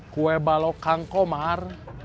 kue balok kang komar